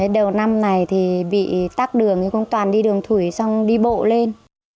đầu năm này thì bị tắt đường cũng toàn đi đường thủy xong đi bộ lên